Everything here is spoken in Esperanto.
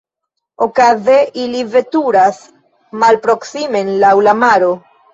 Okaze ili veturas malproksimen laŭ la maro.